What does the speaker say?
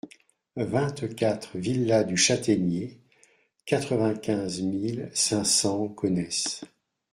vingt-quatre villa du Chataignier, quatre-vingt-quinze mille cinq cents Gonesse